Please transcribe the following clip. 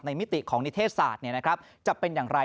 มิติของนิเทศศาสตร์จะเป็นอย่างไร